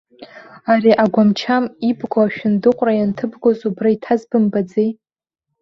Ари агәам-чам ибго ашәындыҟәра ианҭыбгоз убра иҭаз бымбаӡеи.